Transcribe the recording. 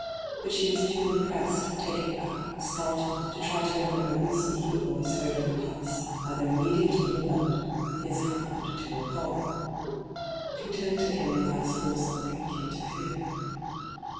But she was too impressed, hyGoo>^lc ENTRAPPED i6i taken aback, startled, to try to remember whose speaking voice heard in the past, either immediate or remote, his happened to recall. She turned to him with eyes full of something akin to fear.